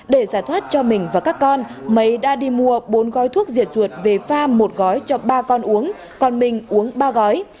để giải thoát cho mình và các con mấy đã đi mua bốn gói thuốc diệt chuột về pha một gói cho ba con uống còn mình uống ba gói